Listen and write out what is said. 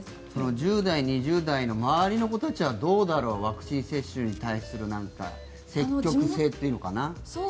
１０代、２０代の周りの子たちはどうだろうワクチン接種に対する積極性というのかな。